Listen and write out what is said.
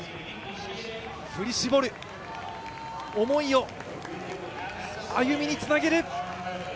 振り絞る思いを歩みにつなげる。